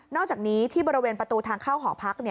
อกจากนี้ที่บริเวณประตูทางเข้าหอพัก